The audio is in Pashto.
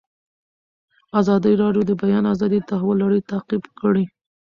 ازادي راډیو د د بیان آزادي د تحول لړۍ تعقیب کړې.